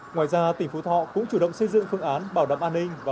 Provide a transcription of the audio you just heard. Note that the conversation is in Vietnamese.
ngoài ra tỉnh phú thọ cũng chủ động xây dựng phương án bảo đảm an ninh